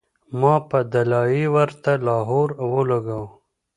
ما پۀ “دلائي” ورته لاهور او لګوو